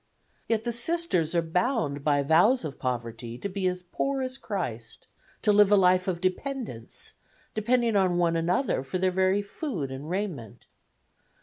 Yet the Sisters are bound by vows of poverty to be as poor as Christ, to live a life of dependence, depending on one another for their very food and raiment.